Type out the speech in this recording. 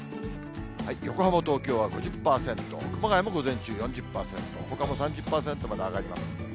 横浜、東京は５０％、熊谷も午前中４０％、ほかも３０％まで上がります。